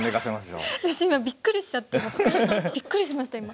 私今びっくりしちゃってびっくりしました今。